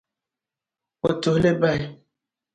O tuhi li bahi.